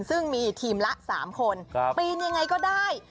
ซึ่งมีทีมละ๓คนปีนยังไงก็ได้